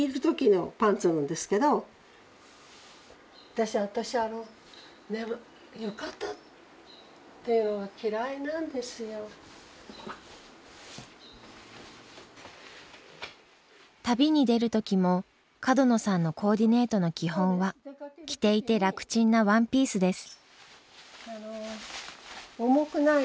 私あの旅に出る時も角野さんのコーディネートの基本は着ていて楽ちんなワンピースです。